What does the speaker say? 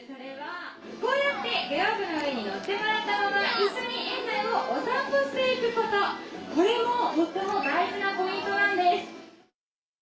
こうやって乗ってもらったまま一緒に園内をお散歩していくことこれもとても大事なポイントなんです。